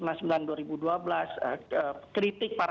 kritik para pemerintah